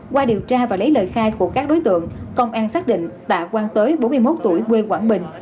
qua điều tra và lấy lời khai của các đối tượng công an xác định tạ quang tới bốn mươi một tuổi quê quảng bình